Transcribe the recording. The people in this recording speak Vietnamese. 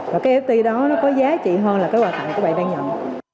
và cái nft đó nó có giá trị hơn là cái quả tặng các bạn đang nhận